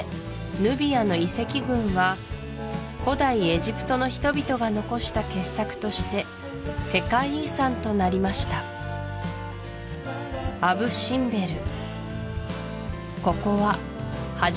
ヌビアの遺跡群は古代エジプトの人々が残した傑作として世界遺産となりましたアブ・シンベル